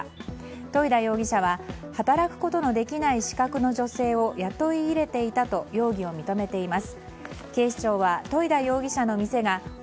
樋田容疑者は働くことのできない資格の女性を雇い入れていたと容疑を認めています。